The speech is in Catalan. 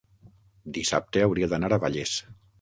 Dissabte hauria d'anar a Vallés.